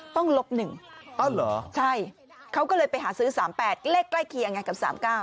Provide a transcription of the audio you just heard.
ต้องลบ๑อ๋อเหรอใช่เขาก็เลยไปหาซื้อ๓๘เลขใกล้เคียงไงกับ๓๙